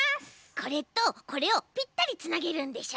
これとこれをぴったりつなげるんでしょ？